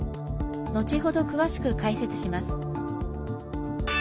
後ほど詳しく解説します。